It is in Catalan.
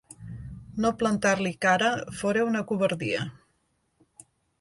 No plantar-li cara fora una covardia.